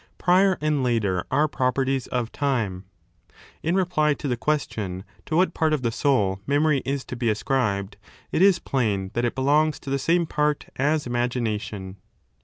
Prior and later are properties of time. In reply to the question to what part of the soul memory is to be ascribed, it is plain that it belongs to the same part as imagination.